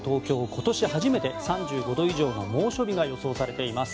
今年初めて３５度以上の猛暑日が予想されています。